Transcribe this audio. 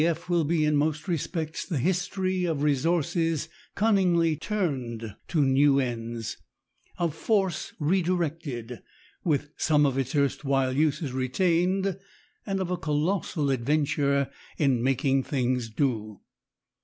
F. will be in most respects the history of resources cunningly turned to new ends, of force redirected, with some of its erstwhile uses retained, and of a colossal adventure in making things do.